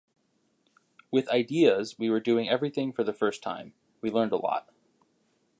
With "Ideas" we were doing everything for the first time, we learned a lot.